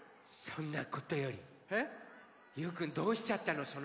そんなことよりゆうくんどうしちゃったの？